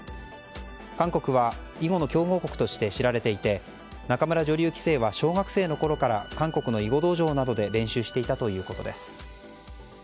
韓国は、囲碁の強豪国として知られていて仲邑女流棋聖は小学生のころから韓国の囲碁道場で練習していたということです。